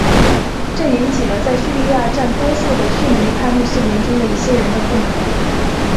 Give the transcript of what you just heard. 这引起了在叙利亚占多数的逊尼派穆斯林中的一些人的不满。